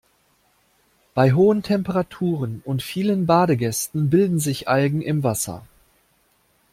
Bei hohen Temperaturen und vielen Badegästen bilden sich Algen im Wasser.